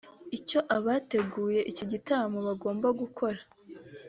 Icyo abateguye iki gitaramo bagombaga gukora